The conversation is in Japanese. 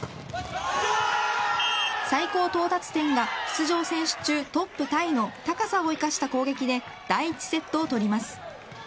最高到達点が出場選手中トップタイの高さを生かした攻撃で第１セットを取ります。